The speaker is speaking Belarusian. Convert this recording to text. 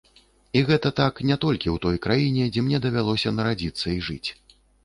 І гэта так не толькі ў той краіне, дзе мне давялося нарадзіцца і жыць.